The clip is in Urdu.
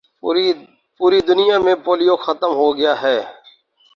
پوری دنیا میں پولیو ختم ہو گیا ہے